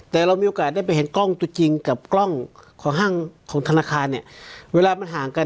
แต่เรามีโอกาสได้ไปเห็นกล้องตัวจริงกับกล้องของห้างของธนาคารเนี่ยเวลามันห่างกัน